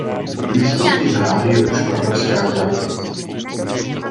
V blízkosti brány je už obrovská gravitace.